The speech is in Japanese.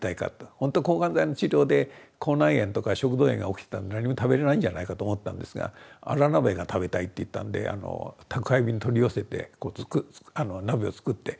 ほんとは抗がん剤の治療で口内炎とか食道炎が起きてたんで何も食べれないんじゃないかと思ったんですがあら鍋が食べたいって言ったんで宅配便で取り寄せて鍋を作って。